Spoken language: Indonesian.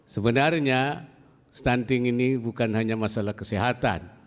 sebenarnya stunting ini bukan hanya masalah kesehatan